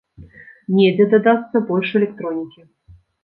Недзе дадасца больш электронікі.